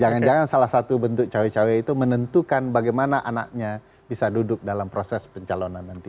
jangan jangan salah satu bentuk cawe cawe itu menentukan bagaimana anaknya bisa duduk dalam proses pencalonan nanti